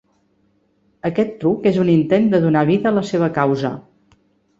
Aquest truc és un intent de donar vida a la seva causa.